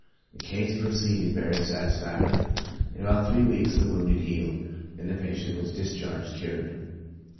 The case proceeded very satisfactorily ; in about three weeks the wound had healed, and the patient was discharged cured.